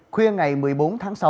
khuya ngày một mươi bốn tháng sáu